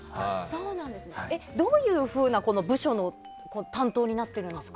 どういうふうな部署の担当になっているんですか？